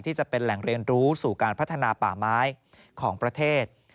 จะเป็นแหล่งเรียนรู้สู่การพัฒนาป่าไม้ของประเทศ